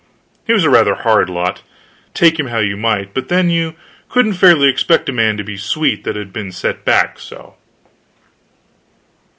He was a rather hard lot, take him how you might; but then you couldn't fairly expect a man to be sweet that had been set back so.